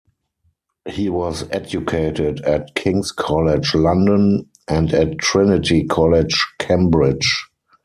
He was educated at King's College London and at Trinity College, Cambridge.